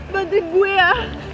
bantu gue ya